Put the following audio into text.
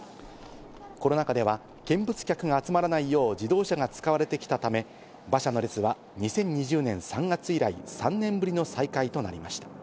コロナ禍では見物客が集まらないよう、自動車が使われてきたため、馬車の列は２０２０年３月以来、３年ぶりの再開となりました。